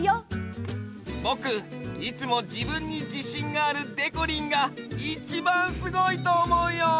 ぼくいつもじぶんにじしんがあるでこりんがいちばんすごいとおもうよ！